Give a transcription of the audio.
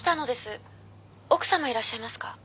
奥さまいらっしゃいますか？